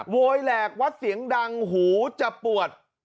โวยแหลกวัดเสียงดังหูจะปวด